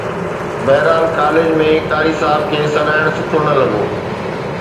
بهرحال ڪاليج ۾ قاري صاحب کي سڏائڻ سٺو نه لڳو